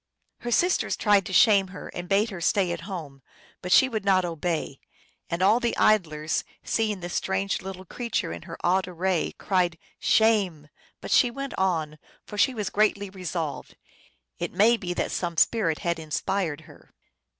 Her sisters tried to shame her, and bade her stay at home, but she would not obey ; and all the idlers, seeing this strange little creature in her odd array, cried, " Shame !" But she went on, for she was greatly resolved ; it may be that some spirit had inspired her.